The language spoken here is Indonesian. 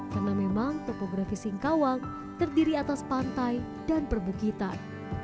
karena memang topografi singkawang terdiri atas pantai dan perbukitan